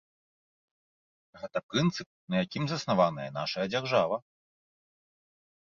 Гэта прынцып, на якім заснаваная нашая дзяржава.